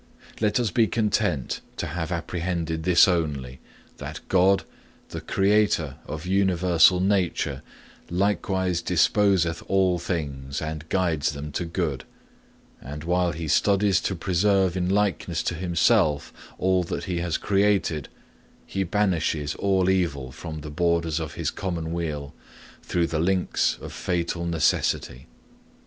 Let us be content to have apprehended this only that God, the creator of universal nature, likewise disposeth all things, and guides them to good; and while He studies to preserve in likeness to Himself all that He has created, He banishes all evil from the borders of His commonweal through the links of fatal necessity.